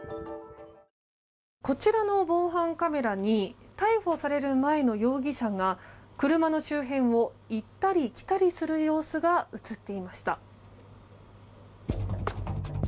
こちらの防犯カメラに逮捕される前の容疑者が車の周辺を行ったり来たりする様子が映っていました。